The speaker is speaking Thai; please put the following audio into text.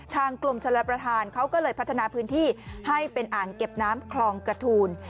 กลมชลประธานเขาก็เลยพัฒนาพื้นที่ให้เป็นอ่างเก็บน้ำคลองกระทูล